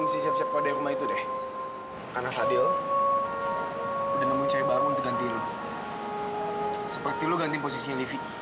sampai jumpa di video selanjutnya